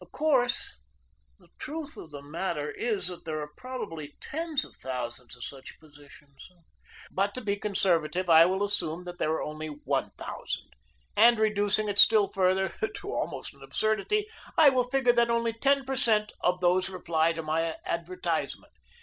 "Of course, the truth of the matter is that there are probably tens of thousands of such positions, but to be conservative I will assume that there are only one thousand, and reducing it still further to almost an absurdity, I will figure that only ten per cent of those reply to my advertisement.